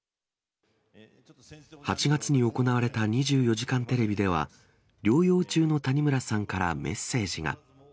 ８月に行われた２４時間テレビでは、療養中の谷村さんからメッセージが。